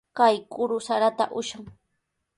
Kay kuru saraata ushan.